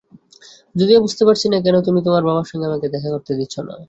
যদিও বুঝতে পারছিনা, কেন তুমি তোমার বাবার সঙ্গে আমাকে দেখা করতে দিচ্ছ না।